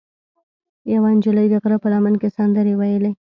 یوه نجلۍ د غره په لمن کې سندرې ویلې.